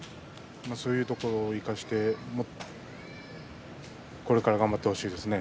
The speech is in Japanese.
そういう点を生かしてこれから頑張ってほしいです。